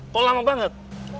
kok lama banget